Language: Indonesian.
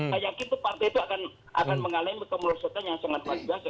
saya yakin itu partai itu akan mengalami kemelosotan yang sangat luar biasa